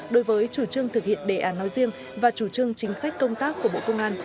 đối với chủ trương thực hiện đề án nói riêng và chủ trương chính sách công tác của bộ công an